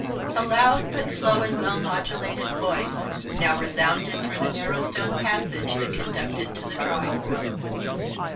A loud but slow and well modulated voice now resounded through the narrow stone passage that conducted to the drawing room.